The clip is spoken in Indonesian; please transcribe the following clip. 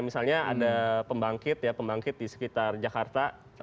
misalnya ada pembangkit ya pembangkit di sekitar jakarta